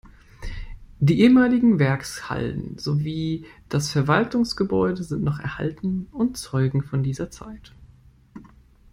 Die ehemaligen Werkshallen sowie das Verwaltungsgebäude sind noch erhalten und zeugen von dieser Zeit.